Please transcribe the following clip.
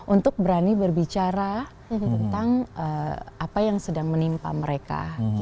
untuk berani berbicara tentang apa yang sedang menimpa mereka